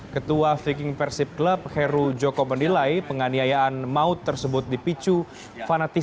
ketua viking persib club heru joko menilai penganiayaan maupun